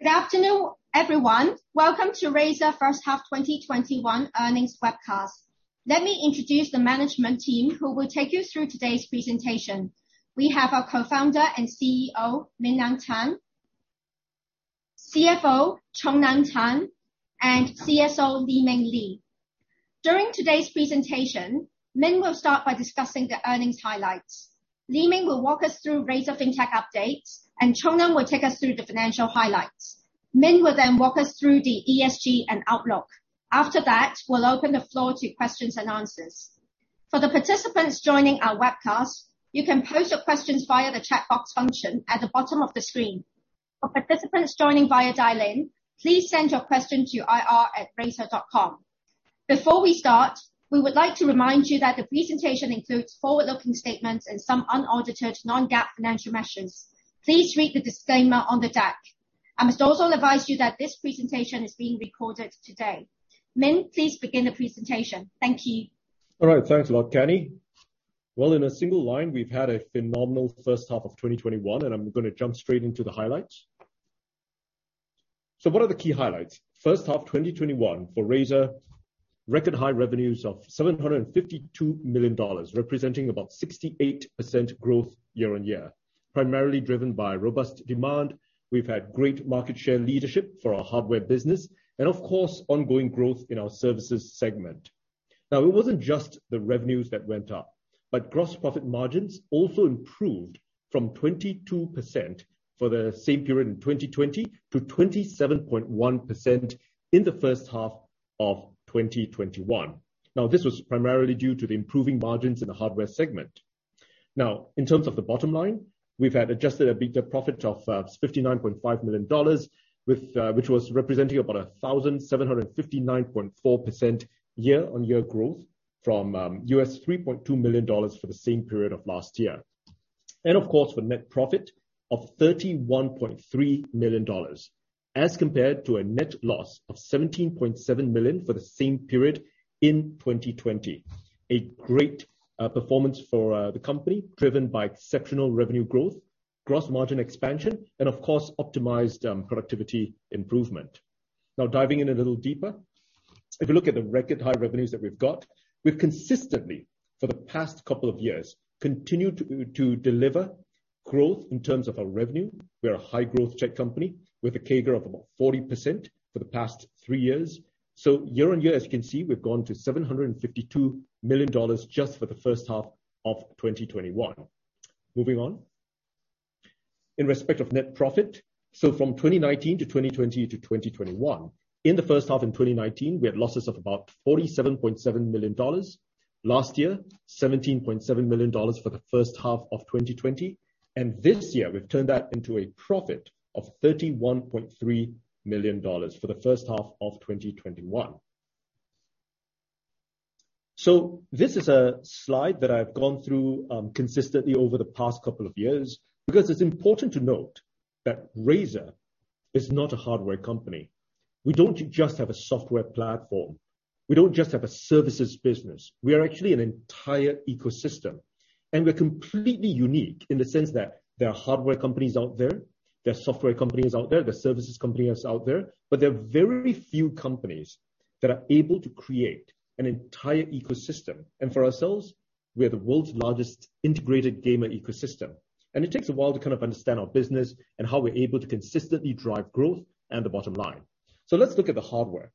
Good afternoon, everyone. Welcome to Razer First Half 2021 Earnings Webcast. Let me introduce the management team, who will take you through today's presentation. We have our Co-Founder and CEO, Min-Liang Tan, CFO, Chong Neng Tan, and CSO, LiMeng Lee. During today's presentation, Min will start by discussing the earnings highlights. LiMeng will walk us through Razer Fintech updates, and Chong Neng will take us through the financial highlights. Min will then walk us through the ESG and outlook. After that, we will open the floor to questions and answers. For the participants joining our webcast, you can pose your questions via the chat box function at the bottom of the screen. For participants joining via dial-in, please send your question to ir@razer.com. Before we start, we would like to remind you that the presentation includes forward-looking statements and some unaudited, non-GAAP financial measures. Please read the disclaimer on the deck. I must also advise you that this presentation is being recorded today. Min, please begin the presentation. Thank you. All right. Thanks a lot, Cannie. Well, in a single line, we've had a phenomenal first half of 2021. I'm going to jump straight into the highlights. What are the key highlights? First half 2021 for Razer, record high revenues of $752 million, representing about 68% growth year-on-year, primarily driven by robust demand. We've had great market share leadership for our hardware business, of course, ongoing growth in our services segment. Now, it wasn't just the revenues that went up, gross profit margins also improved from 22% for the same period in 2020 to 27.1% in the first half of 2021. Now, this was primarily due to the improving margins in the hardware segment. In terms of the bottom line, we've had adjusted EBITDA profit of $59.5 million, which was representing about 1,759.4% year-on-year growth from $3.2 million for the same period of last year. Of course, for net profit of $31.3 million as compared to a net loss of $17.7 million for the same period in 2020. A great performance for the company, driven by exceptional revenue growth, gross margin expansion, and of course, optimized productivity improvement. Diving in a little deeper. If you look at the record high revenues that we've got, we've consistently, for the past couple of years, continued to deliver growth in terms of our revenue. We are a high-growth tech company with a CAGR of about 40% for the past three years. Year-on-year, as you can see, we've gone to $752 million just for the first half of 2021. Moving on. In respect of net profit, from 2019 to 2020 to 2021, in the first half of 2019, we had losses of about $47.7 million. Last year, $17.7 million for the first half of 2020, this year, we've turned that into a profit of $31.3 million for the first half of 2021. This is a slide that I've gone through consistently over the past couple of years because it's important to note that Razer is not a hardware company. We don't just have a software platform. We don't just have a services business. We are actually an entire ecosystem, and we're completely unique in the sense that there are hardware companies out there are software companies out there are services companies out there, but there are very few companies that are able to create an entire ecosystem. For ourselves, we are the world's largest integrated gamer ecosystem, and it takes a while to kind of understand our business and how we're able to consistently drive growth and the bottom line. Let's look at the hardware.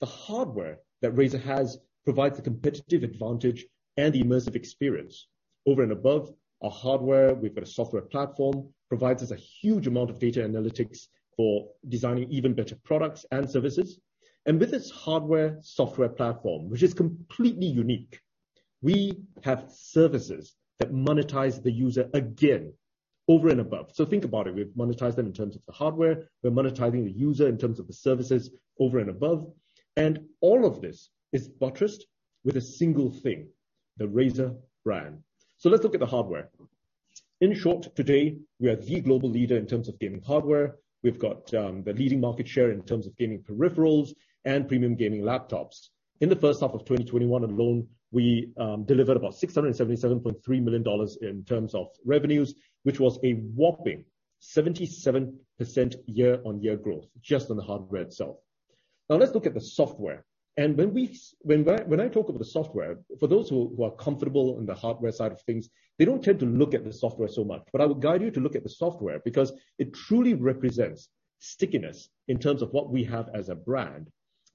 The hardware that Razer has provides a competitive advantage and immersive experience. Over and above our hardware, we've got a software platform, provides us a huge amount of data analytics for designing even better products and services. With this hardware, software platform, which is completely unique, we have services that monetize the user again, over and above. Think about it. We've monetized them in terms of the hardware. We're monetizing the user in terms of the services, over and above. All of this is buttressed with a single thing, the Razer brand. Let's look at the hardware. In short, today, we are the global leader in terms of gaming hardware. We've got the leading market share in terms of gaming peripherals and premium gaming laptops. In the first half of 2021 alone, we delivered about $677.3 million in terms of revenues, which was a whopping 77% year-on-year growth just on the hardware itself. Now let's look at the software. When I talk about the software, for those who are comfortable on the hardware side of things, they don't tend to look at the software so much. I would guide you to look at the software because it truly represents stickiness in terms of what we have as a brand.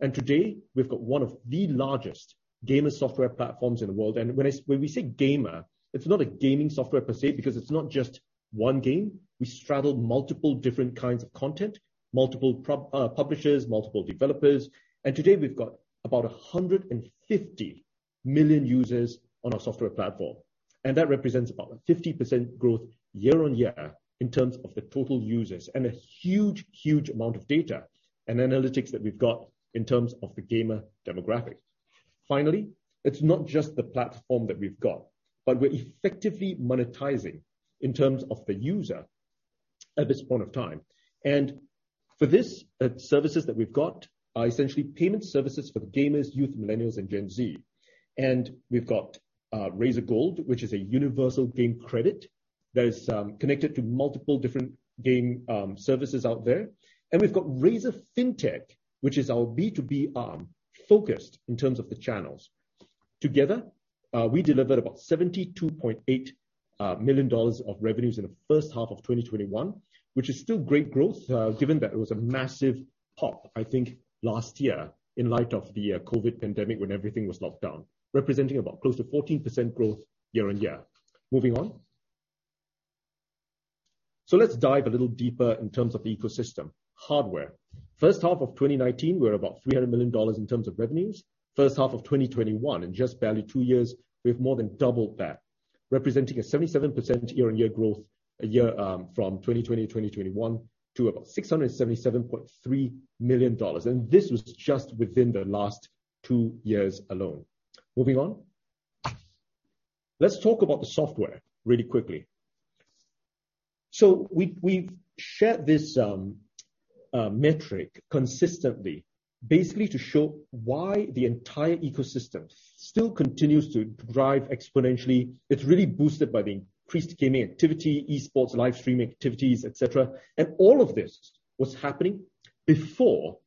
Today, we've got one of the largest gamer software platforms in the world. When we say gamer, it's not a gaming software per se, because it's not just one game. We straddle multiple different kinds of content, multiple publishers, multiple developers. Today, we've got about 150 million users on our software platform, and that represents about a 50% growth year-on-year in terms of the total users, and a huge, huge amount of data and analytics that we've got in terms of the gamer demographic. Finally, it's not just the platform that we've got, but we're effectively monetizing in terms of the user at this point of time. For this, services that we've got are essentially payment services for gamers, youth, millennials, and Gen Z. We've got Razer Gold, which is a universal game credit that is connected to multiple different game services out there. We've got Razer Fintech, which is our B2B arm, focused in terms of the channels. Together, we delivered about $72.8 million of revenues in the first half of 2021, which is still great growth given that it was a massive pop, I think, last year in light of the COVID pandemic when everything was locked down, representing about close to 14% growth year-on-year. Moving on. Let's dive a little deeper in terms of the ecosystem. Hardware. First half of 2019, we're about $300 million in terms of revenues. First half of 2021, in just barely two years, we've more than doubled that, representing a 77% year-on-year growth a year from 2020 to 2021 to about $677.3 million. This was just within the last two years alone. Moving on. Let's talk about the software really quickly. We've shared this metric consistently, basically to show why the entire ecosystem still continues to drive exponentially. It's really boosted by the increased gaming activity, esports, live streaming activities, et cetera. All of this was happening before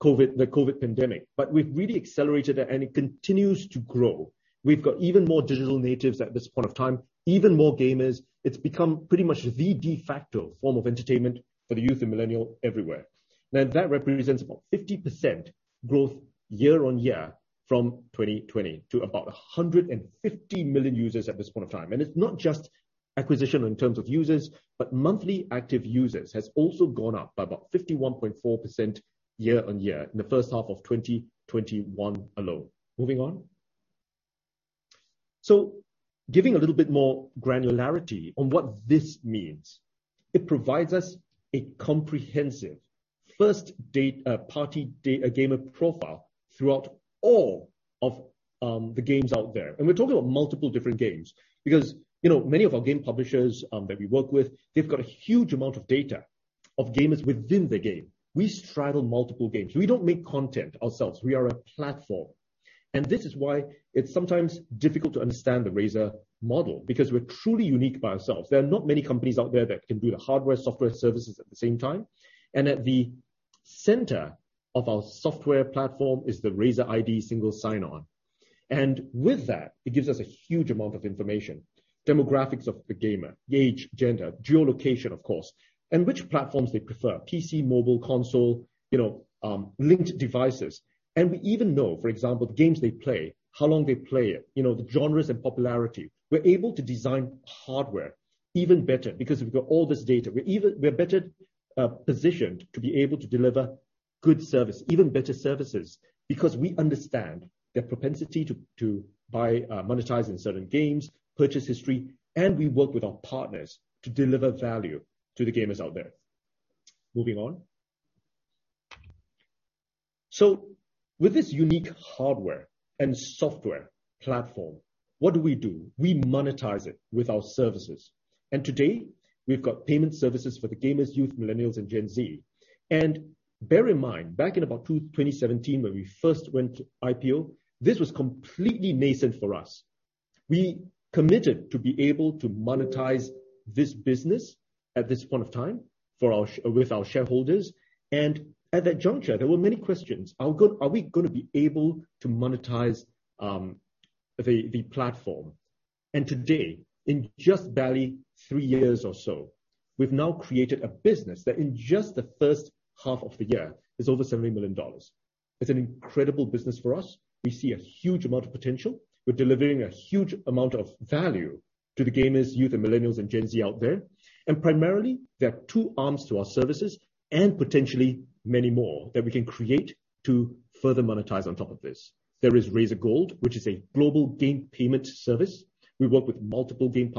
the COVID pandemic, but we've really accelerated that, and it continues to grow. We've got even more digital natives at this point of time, even more gamers. It's become pretty much the de facto form of entertainment for the youth and millennial everywhere. That represents about 50% growth year-on-year from 2020 to about 150 million users at this point of time. It's not just acquisition in terms of users, but monthly active users has also gone up by about 51.4% year-on-year in the first half of 2021 alone. Moving on. Giving a little bit more granularity on what this means. It provides us a comprehensive first-party gamer profile throughout all of the games out there. We're talking about multiple different games because many of our game publishers that we work with, they've got a huge amount of data of gamers within the game. We straddle multiple games. We don't make content ourselves. We are a platform. This is why it's sometimes difficult to understand the Razer model, because we're truly unique by ourselves. There are not many companies out there that can do the hardware, software, services at the same time. At the center of our software platform is the Razer ID single sign-on. With that, it gives us a huge amount of information. Demographics of the gamer, the age, gender, geolocation, of course, and which platforms they prefer, PC, mobile, console, linked devices. We even know, for example, the games they play, how long they play it, the genres and popularity. We're able to design hardware even better because we've got all this data. We're better positioned to be able to deliver good service, even better services, because we understand their propensity to buy, monetize in certain games, purchase history, and we work with our partners to deliver value to the gamers out there. Moving on. With this unique hardware and software platform, what do we do? We monetize it with our services. Today, we've got payment services for the gamers, youth, millennials, and Gen Z. Bear in mind, back in about 2017, when we first went IPO, this was completely nascent for us. We committed to be able to monetize this business at this point of time with our shareholders. At that juncture, there were many questions. Are we going to be able to monetize the platform? Today, in just barely three years or so, we've now created a business that in just the first half of the year is over $70 million. It's an incredible business for us. We see a huge amount of potential. We're delivering a huge amount of value to the gamers, youth, and millennials, and Gen Z out there. Primarily, there are two arms to our services and potentially many more that we can create to further monetize on top of this. There is Razer Gold, which is a global game payment service. We work with multiple game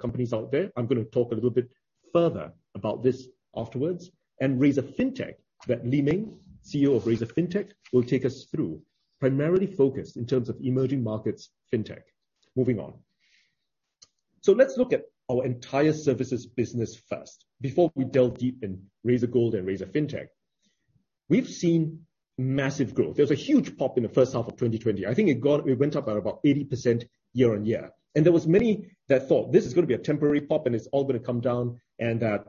companies out there. I'm going to talk a little bit further about this afterwards. Razer Fintech, that LiMeng, CEO of Razer Fintech, will take us through, primarily focused in terms of emerging markets Fintech. Moving on. Let's look at our entire services business first before we delve deep in Razer Gold and Razer Fintech. We've seen massive growth. There was a huge pop in the first half of 2020. I think it went up at about 80% year-on-year. There was many that thought this is going to be a temporary pop and it's all going to come down and that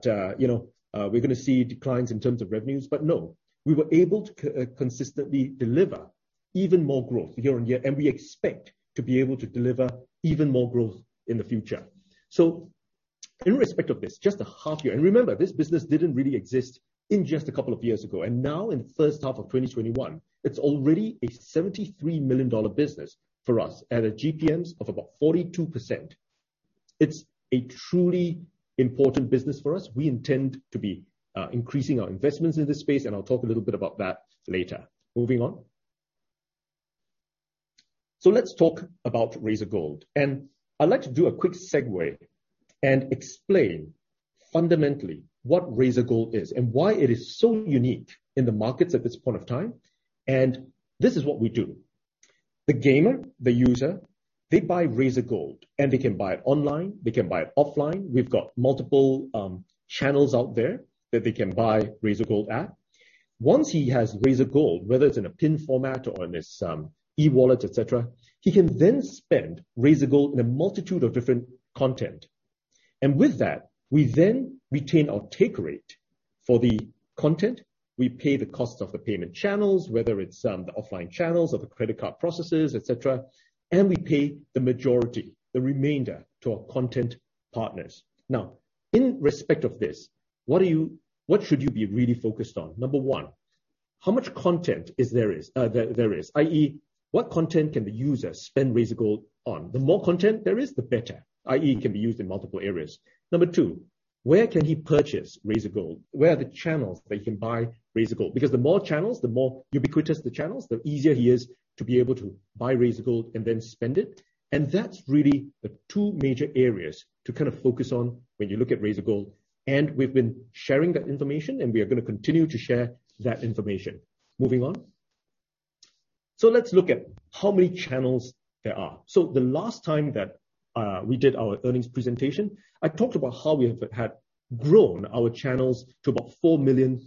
we're going to see declines in terms of revenues. No, we were able to consistently deliver even more growth year-on-year, and we expect to be able to deliver even more growth in the future. In respect of this, just a half year, and remember, this business didn't really exist in just a couple of years ago. Now in the first half of 2021, it's already a $73 million business for us at a GPM of about 42%. It's a truly important business for us. We intend to be increasing our investments in this space, and I'll talk a little bit about that later. Moving on. Let's talk about Razer Gold. I'd like to do a quick segue and explain fundamentally what Razer Gold is and why it is so unique in the markets at this point of time. This is what we do. The gamer, the user, they buy Razer Gold, and they can buy it online, they can buy it offline. We've got multiple channels out there that they can buy Razer Gold at. Once he has Razer Gold, whether it's in a PIN format or in his e-wallet, et cetera, he can then spend Razer Gold in a multitude of different content. With that, we then retain our take rate for the content. We pay the cost of the payment channels, whether it's the offline channels or the credit card processes, et cetera, and we pay the majority, the remainder, to our content partners. Now, in respect of this, what should you be really focused on? Number one, how much content is there? i.e., what content can the user spend Razer Gold on? The more content there is, the better, i.e., it can be used in multiple areas. Number two, where can he purchase Razer Gold? Where are the channels that you can buy Razer Gold? Because the more channels, the more ubiquitous the channels, the easier it is to be able to buy Razer Gold and then spend it. That's really the two major areas to focus on when you look at Razer Gold. We've been sharing that information, and we are going to continue to share that information. Moving on. Let's look at how many channels there are. The last time that we did our earnings presentation, I talked about how we have had grown our channels to about 4 million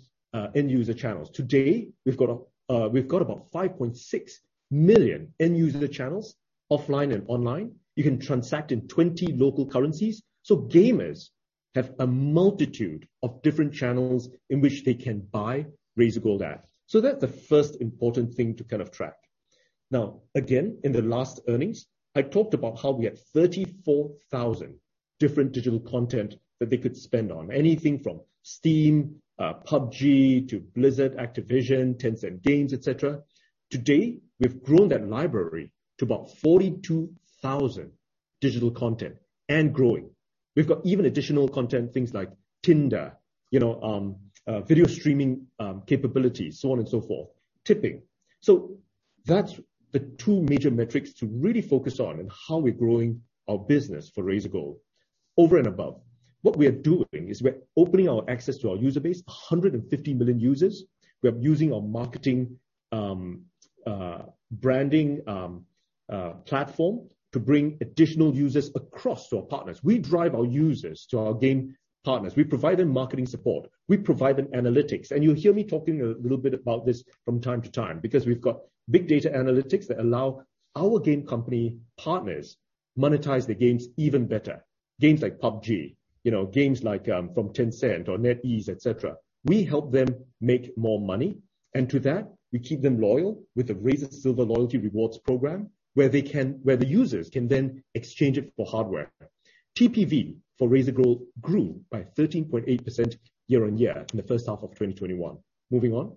end-user channels. Today, we've got about 5.6 million end-user channels, offline and online. You can transact in 20 local currencies. Gamers have a multitude of different channels in which they can buy Razer Gold at. That's the first important thing to track. Now, again, in the last earnings, I talked about how we had 34,000 different digital content that they could spend on. Anything from Steam, PUBG to Blizzard, Activision, Tencent Games, et cetera. Today, we've grown that library to about 42,000 digital content and growing. We've got even additional content, things like Tinder, video streaming capabilities, so on and so forth. Tipping. That's the two major metrics to really focus on in how we're growing our business for Razer Gold. Over and above, what we are doing is we're opening our access to our user base, 150 million users. We are using our marketing, branding platform to bring additional users across to our partners. We drive our users to our game partners. We provide them marketing support. We provide them analytics, and you'll hear me talking a little bit about this from time to time because we've got big data analytics that allow our game company partners monetize their games even better. Games like PUBG, games like from Tencent or NetEase, et cetera. We help them make more money, and to that, we keep them loyal with the Razer Silver Loyalty Rewards program, where the users can then exchange it for hardware. TPV for Razer Gold grew by 13.8% year-on-year in the first half of 2021. Moving on.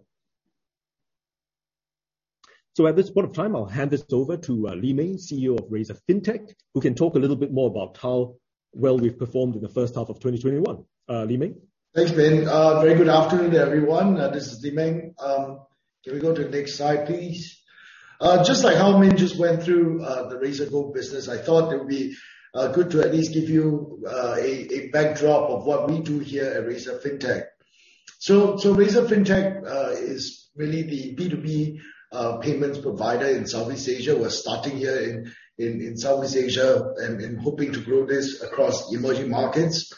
At this point of time, I'll hand this over to LiMeng, CEO of Razer Fintech, who can talk a little bit more about how well we've performed in the first half of 2021. LiMeng? Thanks, Min. A very good afternoon to everyone. This is LiMeng. Can we go to the next slide, please? Just like how Min just went through the Razer Gold business, I thought it would be good to at least give you a backdrop of what we do here at Razer Fintech. Razer Fintech is really the B2B payments provider in Southeast Asia. We're starting here in Southeast Asia and hoping to grow this across emerging markets.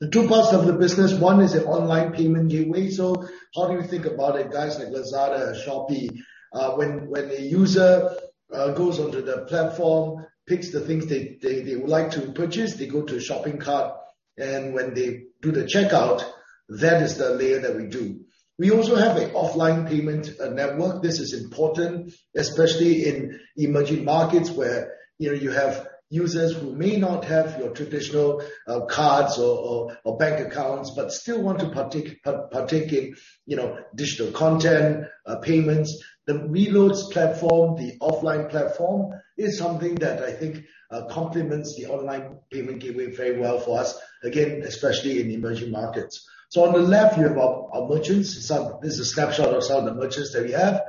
The two parts of the business, one is an online payment gateway. How do you think about it? Guys like Lazada or Shopee. When a user goes onto the platform, picks the things they would like to purchase, they go to a shopping cart, and when they do the checkout, that is the layer that we do. We also have an offline payment network. This is important, especially in emerging markets where you have users who may not have your traditional cards or bank accounts, but still want to partake in digital content payments. The reloads platform, the offline platform, is something that I think complements the online payment gateway very well for us, again, especially in emerging markets. On the left, we have our merchants. This is a snapshot of some of the merchants that we have.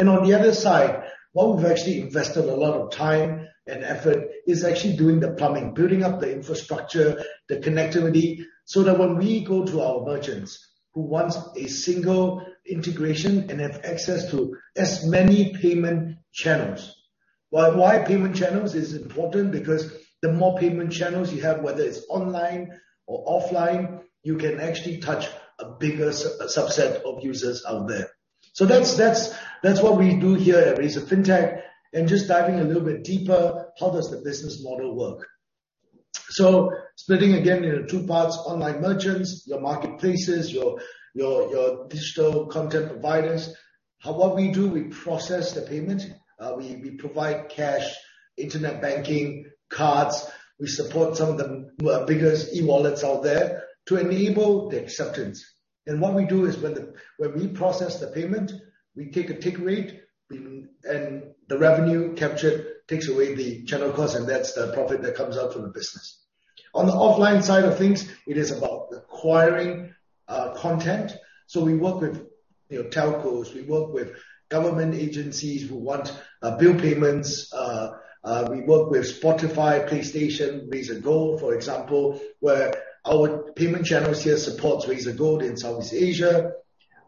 On the other side, what we've actually invested a lot of time and effort is actually doing the plumbing, building up the infrastructure, the connectivity, so that when we go to our merchants who want a single integration and have access to as many payment channels. Why payment channels is important? The more payment channels you have, whether it's online or offline, you can actually touch a bigger subset of users out there. That's what we do here at Razer Fintech. Just diving a little bit deeper, how does the business model work? Splitting again into two parts, online merchants, your marketplaces, your digital content providers. What we do, we process the payment. We provide cash, internet banking, cards. We support some of the biggest e-wallets out there to enable the acceptance. What we do is when we process the payment, we take a take rate, and the revenue captured takes away the channel cost, and that's the profit that comes out from the business. On the offline side of things, it is about acquiring content. We work with telcos. We work with government agencies who want bill payments. We work with Spotify, PlayStation, Razer Gold, for example, where our payment channels here supports Razer Gold in Southeast Asia.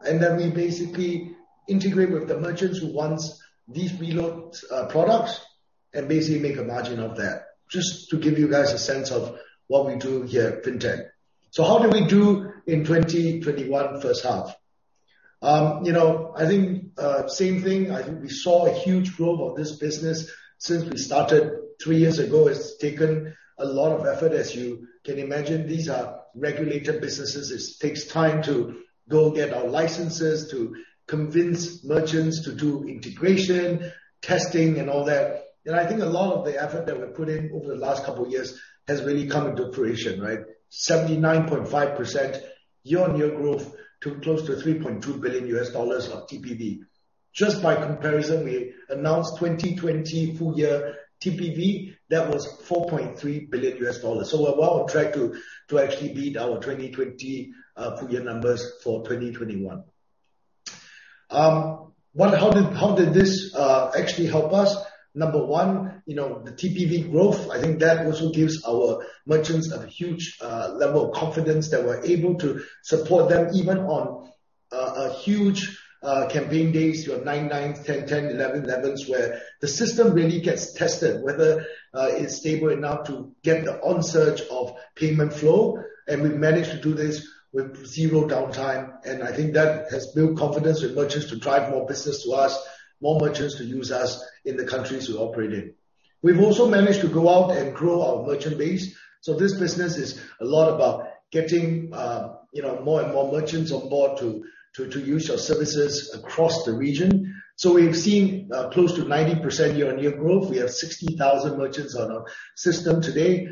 We basically integrate with the merchants who want these reload products and basically make a margin of that. Just to give you guys a sense of what we do here at Fintech. How do we do in 2021 first half? I think same thing. I think we saw a huge growth of this business since we started three years ago. It's taken a lot of effort, as you can imagine. These are regulated businesses. It takes time to go get our licenses to convince merchants to do integration, testing, and all that. I think a lot of the effort that we've put in over the last couple of years has really come into fruition, right? 79.5% year-on-year growth to close to $3.2 billion of TPV. Just by comparison, we announced 2020 full year TPV, that was $4.3 billion. We're well on track to actually beat our 2020 full year numbers for 2021. How did this actually help us? Number one, the TPV growth, I think that also gives our merchants a huge level of confidence that we're able to support them even on huge campaign days, your 9.9, 10.10, 11.11, where the system really gets tested, whether it's stable enough to get the onsurge of payment flow. We've managed to do this with zero downtime, and I think that has built confidence with merchants to drive more business to us, more merchants to use us in the countries we operate in. We've also managed to go out and grow our merchant base. This business is a lot about getting more and more merchants on board to use our services across the region. We've seen close to 90% year-on-year growth. We have 60,000 merchants on our system today.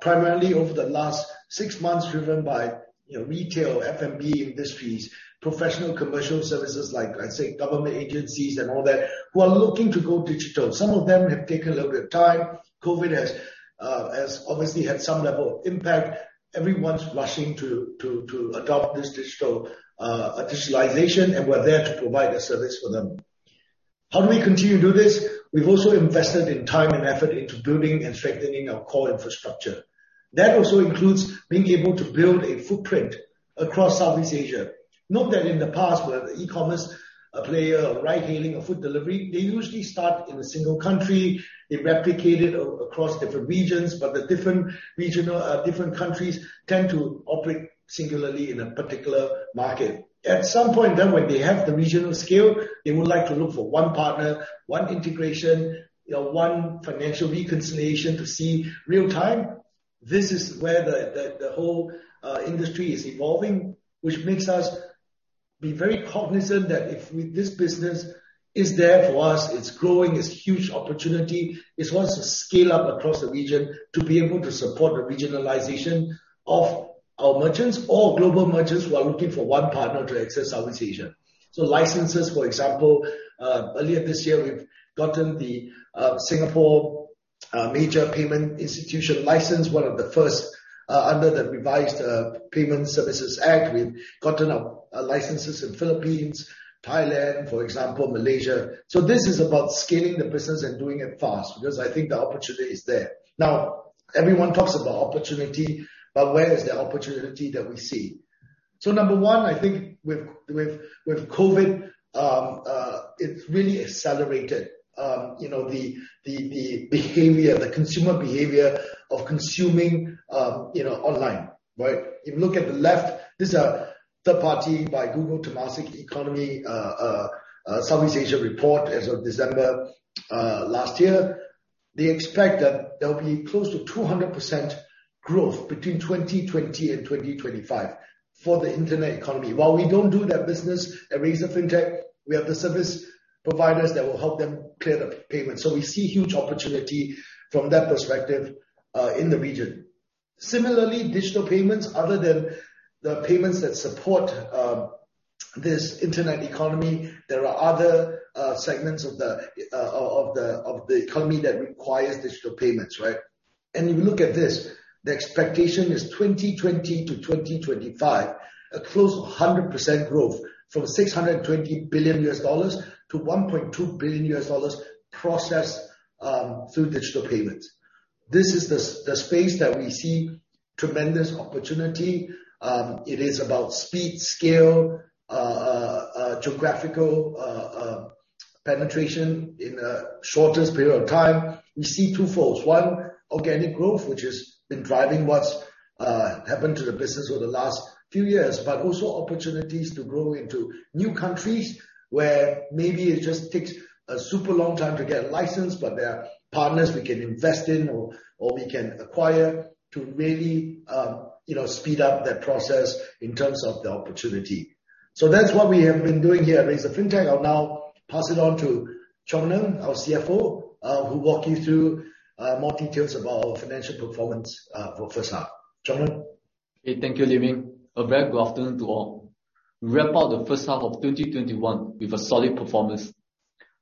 Primarily over the last six months driven by retail, F&B industries, professional commercial services like, let's say, government agencies and all that, who are looking to go digital. Some of them have taken a little bit of time. COVID has obviously had some level of impact. Everyone's rushing to adopt this digitalization, and we're there to provide a service for them. How do we continue to do this? We've also invested in time and effort into building and strengthening our core infrastructure. That also includes being able to build a footprint across Southeast Asia. Note that in the past, whether an e-commerce player or ride-hailing or food delivery, they usually start in a single country. They replicate it across different regions, but the different countries tend to operate singularly in a particular market. At some point, when they have the regional scale, they would like to look for one partner, one integration, one financial reconciliation to see real-time. This is where the whole industry is evolving, which makes us be very cognizant that if this business is there for us, it's growing, it's huge opportunity, it wants to scale up across the region to be able to support the regionalization of our merchants or global merchants who are looking for one partner to access Southeast Asia. Licenses, for example, earlier this year, we've gotten the Singapore major payment institution license, one of the first under the revised Payment Services Act. We've gotten licenses in Philippines, Thailand, for example, Malaysia. This is about scaling the business and doing it fast because I think the opportunity is there. Now, everyone talks about opportunity, where is the opportunity that we see? Number one, I think with COVID, it's really accelerated the behavior, the consumer behavior of consuming online, right? If you look at the left, this is a third party by Google, Temasek, e-Conomy Southeast Asia report as of December last year. They expect that there'll be close to 200% growth between 2020 and 2025 for the internet economy. While we don't do that business at Razer Fintech, we have the service providers that will help them clear the payment. We see huge opportunity from that perspective, in the region. Similarly, digital payments, other than the payments that support this internet economy, there are other segments of the economy that requires digital payments, right? If you look at this, the expectation is 2020 to 2025, a close to 100% growth from $620 billion to $1.2 billion processed through digital payments. This is the space that we see tremendous opportunity. It is about speed, scale, geographical penetration in the shortest period of time. We see two folds. One, organic growth, which has been driving what's happened to the business over the last few years. Also opportunities to grow into new countries where maybe it just takes a super long time to get a license, but there are partners we can invest in or we can acquire to really speed up that process in terms of the opportunity. That's what we have been doing here at Razer Fintech. I'll now pass it on to Chong Neng, our CFO, who'll walk you through more details about our financial performance for first half. Chong Neng? Okay. Thank you, LiMeng. A very good afternoon to all. We wrap out the first half of 2021 with a solid performance.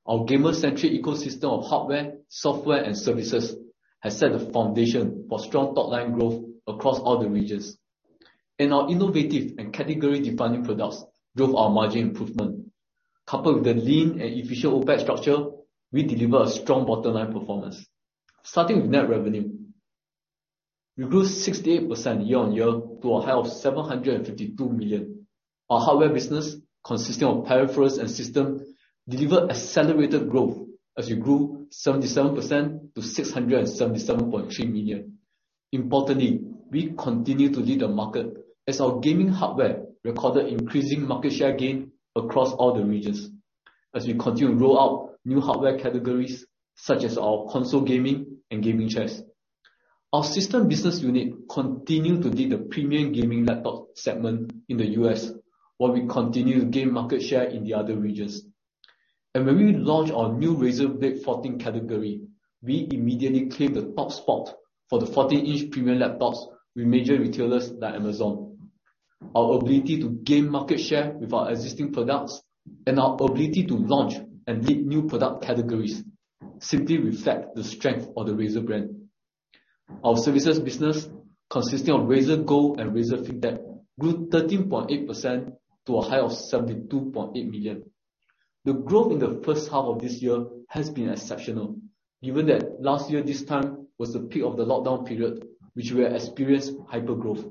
Our gamer-centric ecosystem of hardware, software, and services has set the foundation for strong top-line growth across all the regions. Our innovative and category-defining products drove our margin improvement. Coupled with the lean and efficient OpEx structure, we deliver a strong bottom-line performance. Starting with net revenue. We grew 68% year-on-year to a high of $752 million. Our hardware business, consisting of peripherals and system, delivered accelerated growth as we grew 77% to $677.3 million. Importantly, we continue to lead the market as our gaming hardware recorded increasing market share gain across all the regions, as we continue to roll out new hardware categories such as our console gaming and gaming chairs. Our system business unit continue to lead the premium gaming laptop segment in the U.S., while we continue to gain market share in the other regions. When we launch our new Razer Blade 14 category, we immediately claim the top spot for the 14-inch premium laptops with major retailers like Amazon. Our ability to gain market share with our existing products and our ability to launch and lead new product categories simply reflect the strength of the Razer brand. Our services business, consisting of Razer Gold and Razer Fintech, grew 13.8% to a high of $72.8 million. The growth in the first half of this year has been exceptional, given that last year this time was the peak of the lockdown period, which we experienced hyper-growth.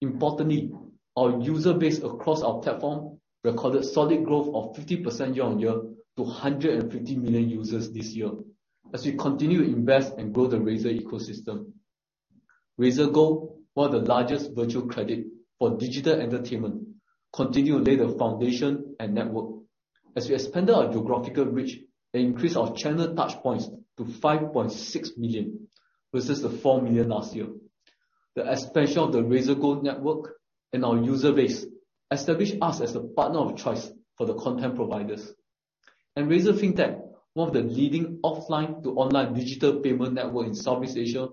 Importantly, our user base across our platform recorded solid growth of 50% year-on-year to 150 million users this year, as we continue to invest and grow the Razer ecosystem. Razer Gold, one of the largest virtual credit for digital entertainment, continue to lay the foundation and network. As we expanded our geographical reach, they increased our channel touchpoints to 5.6 million, versus the 4 million last year. The expansion of the Razer Gold network and our user base established us as the partner of choice for the content providers. Razer Fintech, one of the leading offline-to-online digital payment network in Southeast Asia,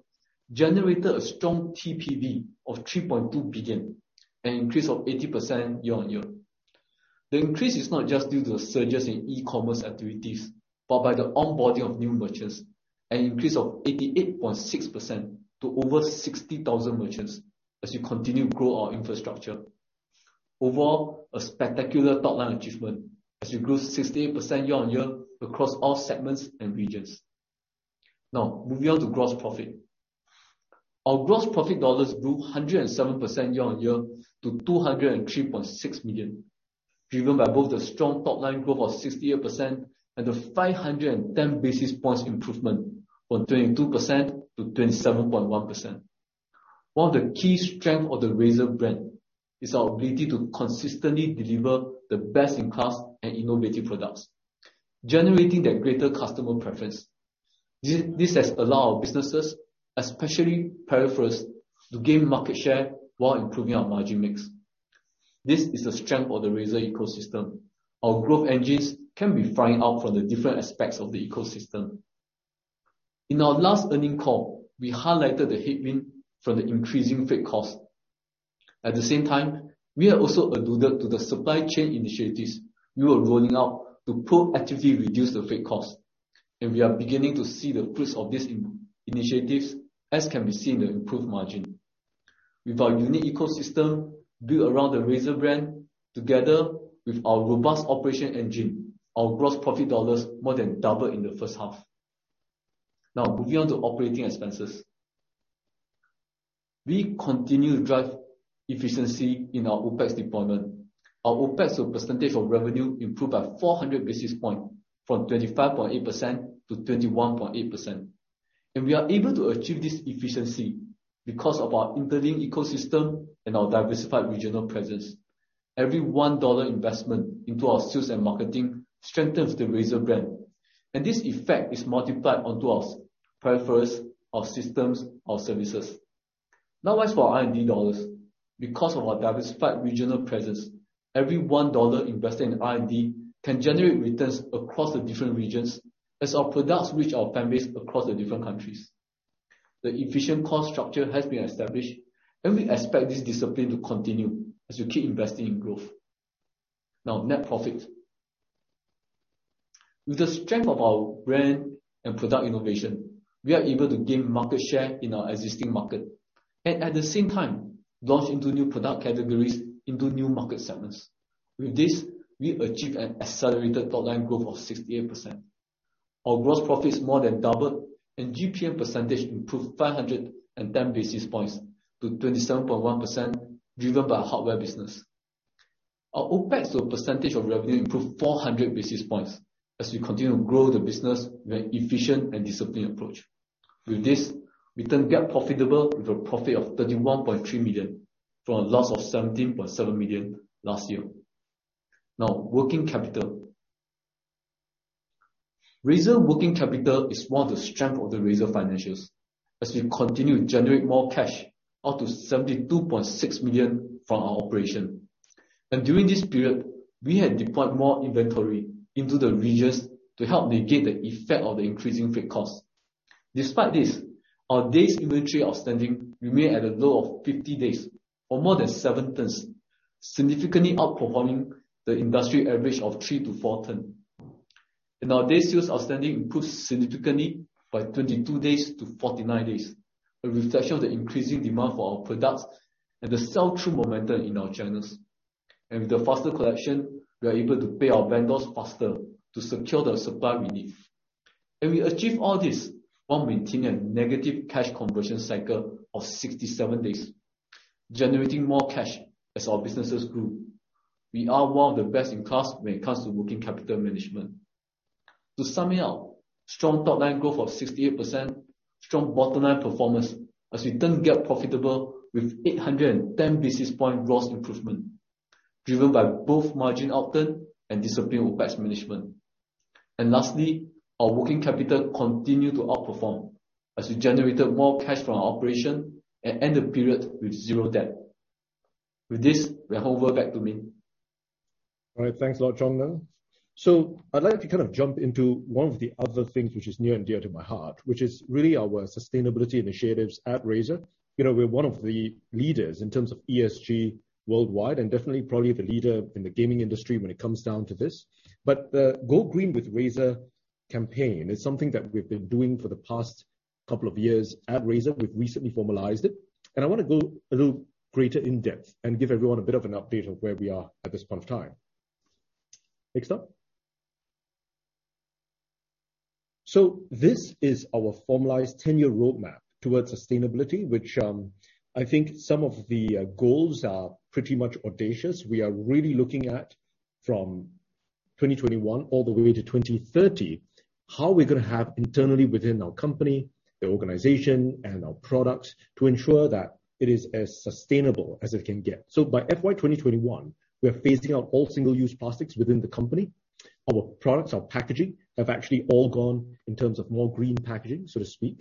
generated a strong TPV of $3.2 billion, an increase of 80% year-on-year. The increase is not just due to the surges in e-commerce activities, but by the onboarding of new merchants, an increase of 88.6% to over 60,000 merchants as we continue to grow our infrastructure. Overall, a spectacular top-line achievement as we grew 68% year-on-year across all segments and regions. Now, moving on to gross profit. Our gross profit dollars grew 107% year-on-year to $203.6 million, driven by both the strong top-line growth of 68% and the 510 basis points improvement from 22% to 27.1%. One of the key strengths of the Razer brand is our ability to consistently deliver the best-in-class and innovative products, generating that greater customer preference. This has allowed our businesses, especially peripherals, to gain market share while improving our margin mix. This is the strength of the Razer ecosystem. Our growth engines can be firing up from the different aspects of the ecosystem. In our last earnings call, we highlighted the headwind from the increasing freight cost. At the same time, we are also alluded to the supply chain initiatives we were rolling out to proactively reduce the freight cost, and we are beginning to see the fruits of these initiatives, as can be seen in the improved margin. With our unique ecosystem built around the Razer brand, together with our robust operation engine, our gross profit dollars more than doubled in the first half. Now, moving on to operating expenses. We continue to drive efficiency in our OpEx deployment. Our OpEx percentage of revenue improved by 400 basis points from 25.8% to 21.8%. We are able to achieve this efficiency because of our interlink ecosystem and our diversified regional presence. Every $1 investment into our sales and marketing strengthens the Razer brand, and this effect is multiplied onto our peripherals, our systems, our services. Likewise for R&D dollars. Because of our diversified regional presence, every $1 invested in R&D can generate returns across the different regions as our products reach our fan base across the different countries. The efficient cost structure has been established, and we expect this discipline to continue as we keep investing in growth. Net profit. With the strength of our brand and product innovation, we are able to gain market share in our existing market and at the same time launch into new product categories into new market segments. With this, we achieve an accelerated top-line growth of 68%. Our gross profits more than doubled, and GPM percentage improved 510 basis points to 27.1%, driven by our hardware business. Our OpEx percentage of revenue improved 400 basis points as we continue to grow the business with an efficient and disciplined approach. With this, we then get profitable with a profit of $31.3 million from a loss of $17.7 million last year. Working capital. Razer working capital is one of the strength of the Razer financials as we continue to generate more cash out to $72.6 million from our operation. During this period, we had deployed more inventory into the regions to help negate the effect of the increasing freight cost. Despite this, our days inventory outstanding remain at a low of 50 days or more than seven turns, significantly outperforming the industry average of three to four turn. Our days sales outstanding improved significantly by 22 days to 49 days, a reflection of the increasing demand for our products and the sell-through momentum in our channels. With the faster collection, we are able to pay our vendors faster to secure the supply we need. We achieve all this while maintaining a negative cash conversion cycle of 67 days, generating more cash as our businesses grow. We are one of the best in class when it comes to working capital management. To sum it up, strong top-line growth of 68%, strong bottom-line performance as we turn GAAP profitable with 810 basis point ROS improvement, driven by both margin upturn and disciplined OpEx management. Lastly, our working capital continued to outperform as we generated more cash from our operation and end the period with zero debt. With this, I hand over back to Min. All right. Thanks a lot, Chong Neng. I'd like to kind of jump into one of the other things which is near and dear to my heart, which is really our sustainability initiatives at Razer. We're one of the leaders in terms of ESG worldwide, and definitely probably the leader in the gaming industry when it comes down to this. The Go Green with Razer campaign is something that we've been doing for the past couple of years at Razer. We've recently formalized it, and I want to go a little greater in depth and give everyone a bit of an update of where we are at this point in time. Next slide. This is our formalized 10-year roadmap towards sustainability, which I think some of the goals are pretty much audacious. We are really looking at from 2021 all the way to 2030, how we're going to have internally within our company, the organization, and our products to ensure that it is as sustainable as it can get. By FY 2021, we are phasing out all single-use plastics within the company. Our products, our packaging, have actually all gone in terms of more green packaging, so to speak.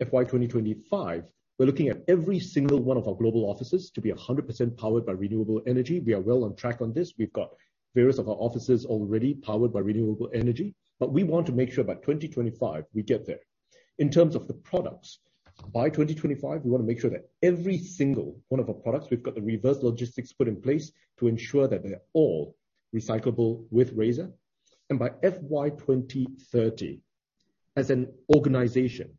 FY 2025, we're looking at every single one of our global offices to be 100% powered by renewable energy. We are well on track on this. We've got various of our offices already powered by renewable energy. But we want to make sure by 2025, we get there. In terms of the products, by 2025, we want to make sure that every single one of our products, we've got the reverse logistics put in place to ensure that they're all recyclable with Razer. By FY 2030, as an organization,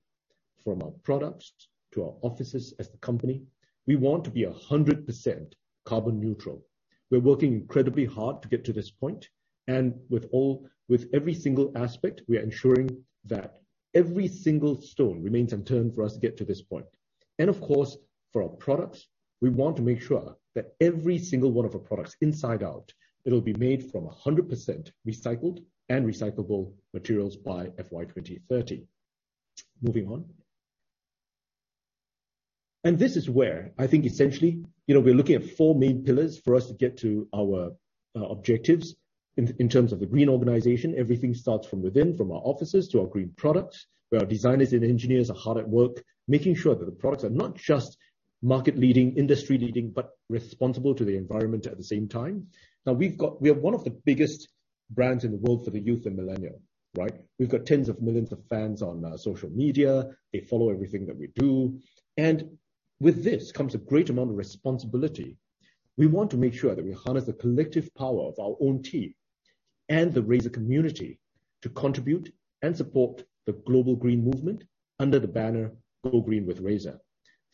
from our products to our offices as the company, we want to be 100% carbon neutral. We're working incredibly hard to get to this point, with every single aspect, we are ensuring that every single stone remains unturned for us to get to this point. Of course, for our products, we want to make sure that every single one of our products inside out, it'll be made from 100% recycled and recyclable materials by FY 2030. Moving on. This is where I think essentially, we're looking at four main pillars for us to get to our objectives in terms of the green organization. Everything starts from within, from our offices to our green products, where our designers and engineers are hard at work, making sure that the products are not just market leading, industry leading, but responsible to the environment at the same time. We are one of the biggest brands in the world for the youth and millennial, right? We've got tens of millions of fans on social media. They follow everything that we do. With this comes a great amount of responsibility. We want to make sure that we harness the collective power of our own team and the Razer community to contribute and support the global green movement under the banner Go Green with Razer.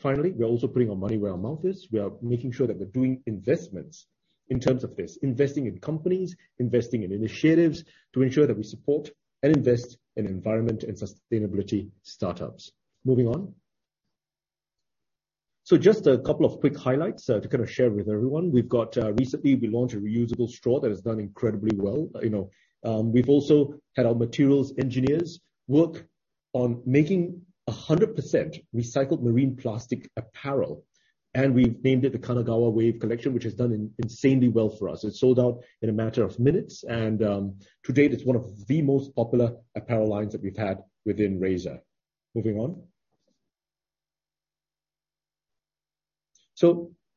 We are also putting our money where our mouth is. We are making sure that we're doing investments in terms of this, investing in companies, investing in initiatives to ensure that we support and invest in environment and sustainability startups. Moving on. Just a couple of quick highlights to kind of share with everyone. We've got recently, we launched a reusable straw that has done incredibly well. We've also had our materials engineers work on making 100% recycled marine plastic apparel, and we've named it the Kanagawa Wave collection, which has done insanely well for us. It sold out in a matter of minutes, and to date, it's one of the most popular apparel lines that we've had within Razer. Moving on.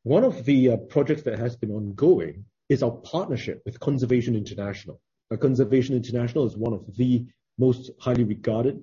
One of the projects that has been ongoing is our partnership with Conservation International. Now Conservation International is one of the most highly regarded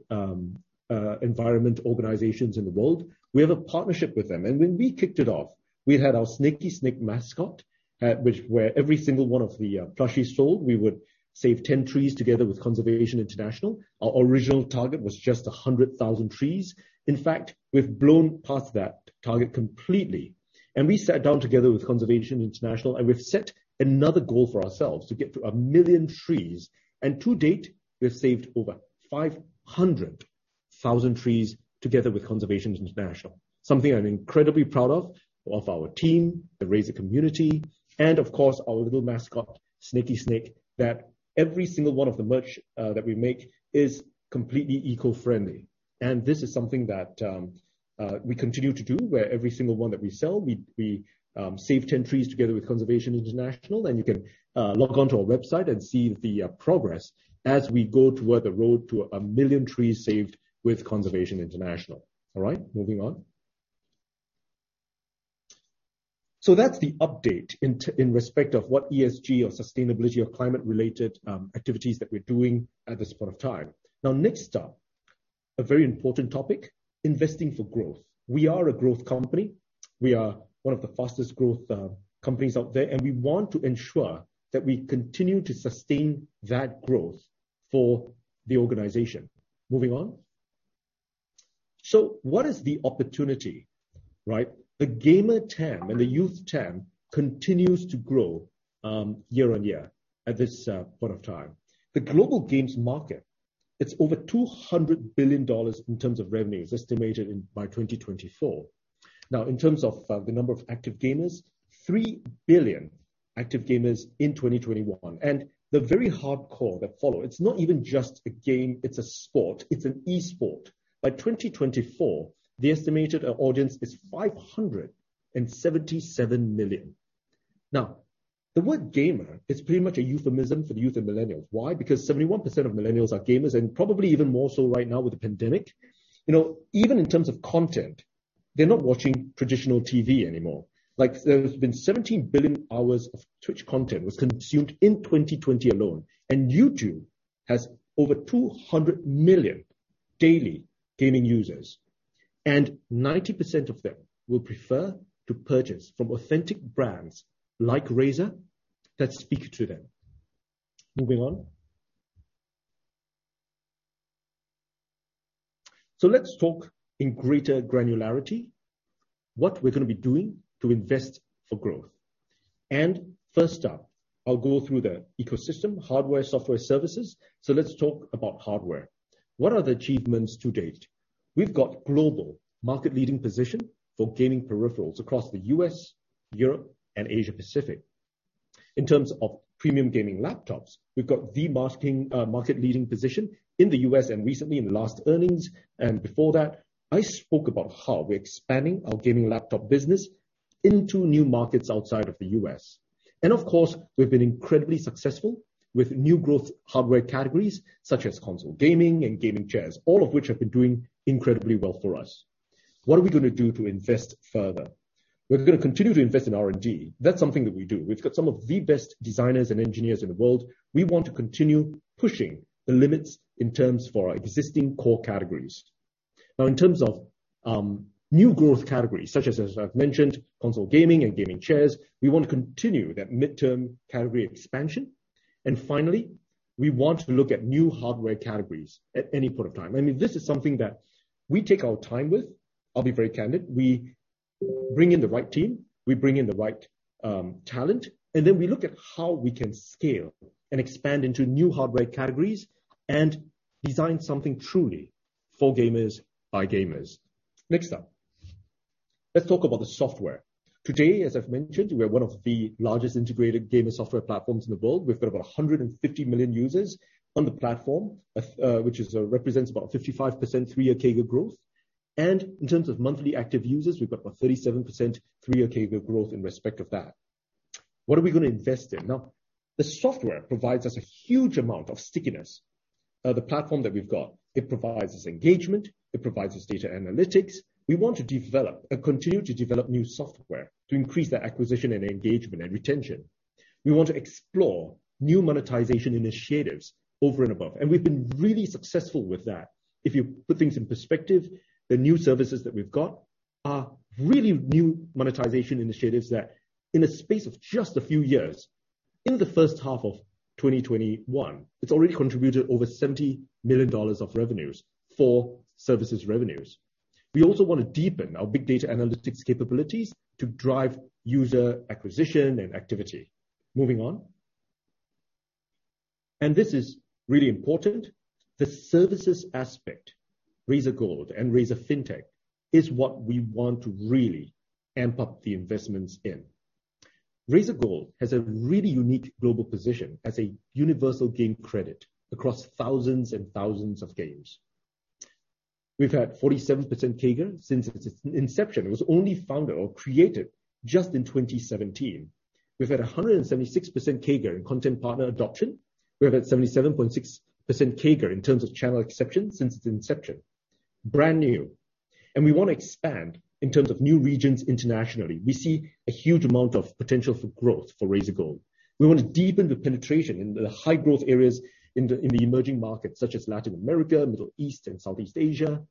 environment organizations in the world. We have a partnership with them, when we kicked it off, we had our Sneki Snek mascot, where every single one of the plushies sold, we would save 10 trees together with Conservation International. Our original target was just 100,000 trees. In fact, we've blown past that target completely. We sat down together with Conservation International, and we've set another goal for ourselves to get to 1 million trees. To date, we've saved over 500,000 trees together with Conservation International. Something I'm incredibly proud of our team, the Razer community, and of course, our little mascot, Sneki Snek, that every single one of the merch that we make is completely eco-friendly. This is something that we continue to do, where every single one that we sell, we save 10 trees together with Conservation International, and you can log on to our website and see the progress as we go toward the road to 1 million trees saved with Conservation International. All right. Moving on. That's the update in respect of what ESG or sustainability or climate-related activities that we're doing at this point in time. Next up, a very important topic, investing for growth. We are a growth company. We are one of the fastest growth companies out there, and we want to ensure that we continue to sustain that growth for the organization. Moving on. What is the opportunity, right? The gamer TAM and the youth TAM continues to grow year-on-year at this point of time. The global games market, it's over $200 billion in terms of revenues estimated by 2024. In terms of the number of active gamers, 3 billion active gamers in 2021, and the very hardcore that follow. It's not even just a game, it's a sport. It's an e-sport. By 2024, the estimated audience is 577 million. Now, the word gamer is pretty much a euphemism for the youth and millennials. Why? Because 71% of millennials are gamers, and probably even more so right now with the pandemic. Even in terms of content, they're not watching traditional TV anymore. There's been 17 billion hours of Twitch content was consumed in 2020 alone, and YouTube has over 200 million daily gaming users, and 90% of them will prefer to purchase from authentic brands like Razer that speak to them. Moving on. Let's talk in greater granularity, what we're going to be doing to invest for growth. First up, I'll go through the ecosystem, hardware, software, services. Let's talk about hardware. What are the achievements to date? We've got global market-leading position for gaming peripherals across the U.S., Europe, and Asia-Pacific. In terms of premium gaming laptops, we've got the market-leading position in the U.S. and recently in the last earnings, and before that, I spoke about how we're expanding our gaming laptop business into new markets outside of the U.S. Of course, we've been incredibly successful with new growth hardware categories such as console gaming and gaming chairs, all of which have been doing incredibly well for us. What are we going to do to invest further? We're going to continue to invest in R&D. That's something that we do. We've got some of the best designers and engineers in the world. We want to continue pushing the limits in terms for our existing core categories. Now, in terms of new growth categories such as I've mentioned, console gaming and gaming chairs, we want to continue that midterm category expansion. Finally, we want to look at new hardware categories at any point of time. This is something that we take our time with. I'll be very candid. We bring in the right team, we bring in the right talent, and then we look at how we can scale and expand into new hardware categories and design something truly for gamers by gamers. Next up, let's talk about the software. Today, as I've mentioned, we are one of the largest integrated gamer software platforms in the world. We've got about 150 million users on the platform, which represents about 55% three-year CAGR growth. In terms of monthly active users, we've got about 37% three-year CAGR growth in respect of that. What are we going to invest in? Now, the software provides us a huge amount of stickiness. The platform that we've got, it provides us engagement, it provides us data analytics. We want to develop and continue to develop new software to increase the acquisition and engagement and retention. We want to explore new monetization initiatives over and above. We've been really successful with that. If you put things in perspective, the new services that we've got are really new monetization initiatives that in the space of just a few years, in the first half of 2021, it's already contributed over $70 million of revenues for services revenues. We also want to deepen our big data analytics capabilities to drive user acquisition and activity. Moving on. This is really important. The services aspect, Razer Gold and Razer Fintech, is what we want to really amp up the investments in. Razer Gold has a really unique global position as a universal game credit across thousands and thousands of games. We've had 47% CAGR since its inception. It was only founded or created just in 2017. We've had 176% CAGR in content partner adoption. We've had 77.6% CAGR in terms of channel acceptance since its inception. Brand new. We want to expand in terms of new regions internationally. We see a huge amount of potential for growth for Razer Gold. We want to deepen the penetration in the high-growth areas in the emerging markets such as Latin America, Middle East, and Southeast Asia.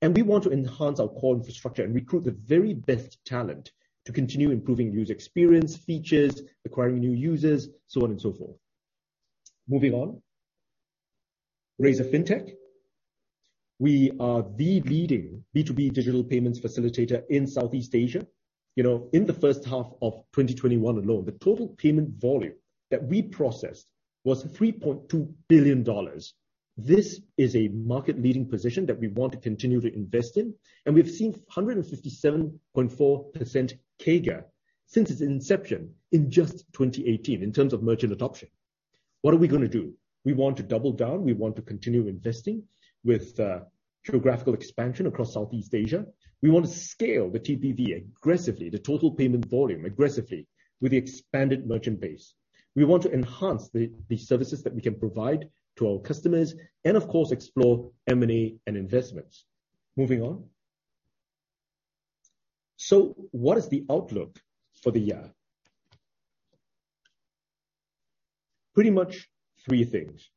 We want to enhance our core infrastructure and recruit the very best talent to continue improving user experience, features, acquiring new users, so on and so forth. Moving on. Razer Fintech. We are the leading B2B digital payments facilitator in Southeast Asia. In the first half of 2021 alone, the total payment volume that we processed was $3.2 billion. This is a market-leading position that we want to continue to invest in, and we've seen 157.4% CAGR since its inception in just 2018 in terms of merchant adoption. What are we going to do? We want to double down. We want to continue investing with geographical expansion across Southeast Asia. We want to scale the TPV aggressively, the total payment volume aggressively with the expanded merchant base. We want to enhance the services that we can provide to our customers, and of course, explore M&A and investments. Moving on. What is the outlook for the year? Pretty much three things.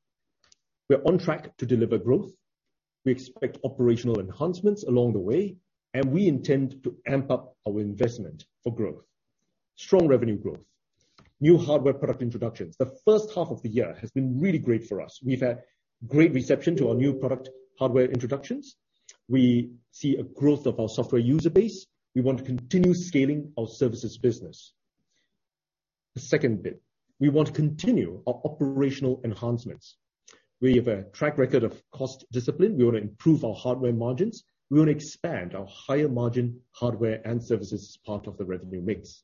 We are on track to deliver growth. We expect operational enhancements along the way, and we intend to amp up our investment for growth. Strong revenue growth. New hardware product introductions. The first half of the year has been really great for us. We've had great reception to our new product hardware introductions. We see a growth of our software user base. We want to continue scaling our services business. The second bit, we want to continue our operational enhancements. We have a track record of cost discipline. We want to improve our hardware margins. We want to expand our higher margin hardware and services as part of the revenue mix.